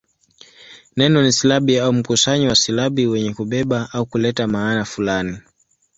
Neno ni silabi au mkusanyo wa silabi wenye kubeba au kuleta maana fulani.